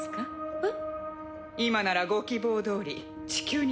えっ？